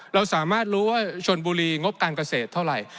เราสามารถรู้ว่าชนบุรีงบการเกษตรเท่าไหร่